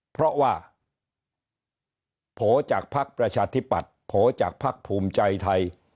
เพราะว่าโผล่จากภักดิ์ประชาธิปัตย์โผล่จากภักดิ์ภูมิใจไทย